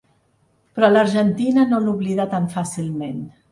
Però l’Argentina no l’oblida tan fàcilment.